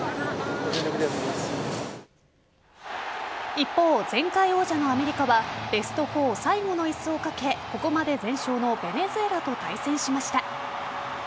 一方、前回王者のアメリカはベスト４最後の椅子をかけここまで全勝のベネズエラと対戦しました。